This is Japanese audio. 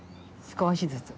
少しずつ。